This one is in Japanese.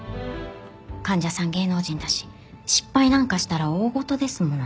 患者さん芸能人だし失敗なんかしたら大ごとですものね。